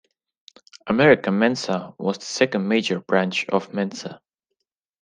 American Mensa was the second major branch of Mensa.